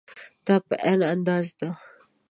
دا په عین اندازه ده.